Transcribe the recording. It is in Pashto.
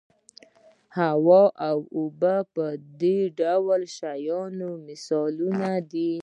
هوا او اوبه د دې ډول شیانو مثالونه دي.